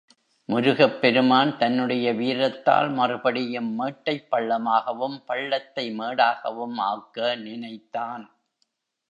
முருகப் பெருமான் தன்னுடைய வீரத்தால் மறுபடியும் மேட்டைப் பள்ளமாகவும், பள்ளத்தை மேடாகவும் ஆக்க நினைத்தான்.